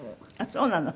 そうなの？